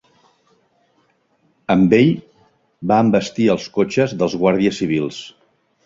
Amb ell va envestir els cotxes dels guàrdies civils.